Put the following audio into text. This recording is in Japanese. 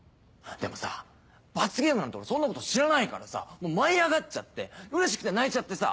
でもさ罰ゲームなんて俺そんなこと知らないからさ舞い上がっちゃってうれしくて泣いちゃってさ。